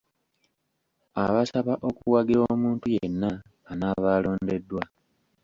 Abasaba okuwagira omuntu yenna anaaba alondeddwa.